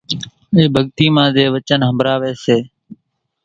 اِي ڀڳتي مان زين وچن ۿنڀراوي سي۔